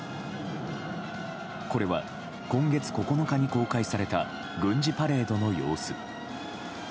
これは今月９日に公開された軍事パレードの様子。